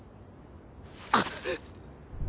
あっ！